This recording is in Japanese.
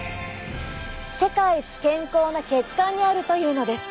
世界一健康な血管にあるというのです。